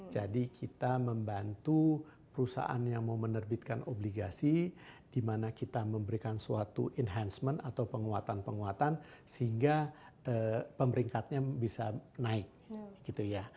jadi kita membantu perusahaan yang mau menerbitkan obligasi di mana kita memberikan suatu enhancement atau penguatan penguatan sehingga pemeringkatnya bisa naik gitu ya